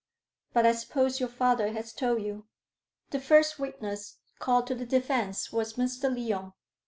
But I suppose your father has told you." The first witness called to the defence was Mr. Lyon.